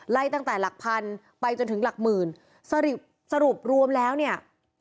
ไล่ตั้งแต่หลักพันไปจนถึงหลักหมื่นสรุปสรุปรวมแล้วเนี่ย